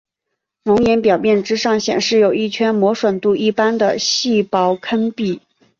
熔岩表面之上显示有一圈磨损度一般的细薄坑壁。